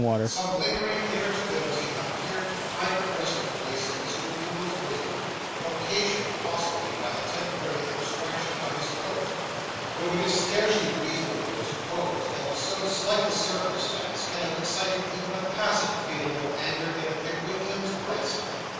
Some lingering irritability appeared to find a resting place in Mr. Winkle's bosom, occasioned possibly by the temporary abstraction of his coat though it is scarcely reasonable to suppose that so slight a circumstance can have excited even a passing feeling of anger in a Pickwickian's breast.